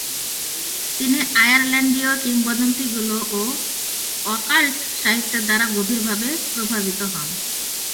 তিনি আয়ারল্যান্ডীয় কিংবদন্তিগুলো ও অকাল্ট সাহিত্যের দ্বারা গভীরভাবে প্রভাবিত হন।